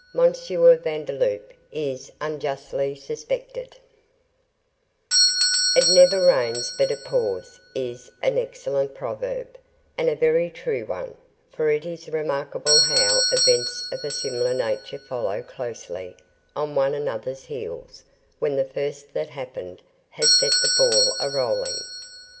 VANDELOUP IS UNJUSTLY SUSPECTED 'It never rains but it pours' is an excellent proverb, and a very true one, for it is remarkable how events of a similar nature follow closely on one another's heels when the first that happened has set the ball a rolling.